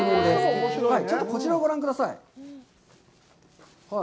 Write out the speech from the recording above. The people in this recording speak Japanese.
ちょっとこちらをご覧ください。